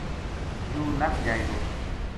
یوہ نس جائے گو‘‘